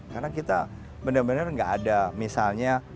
karena kita benar benar nggak ada misalnya